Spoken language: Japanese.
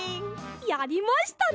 やりましたね！